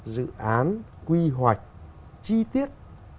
dự án quy hoạch chi tiết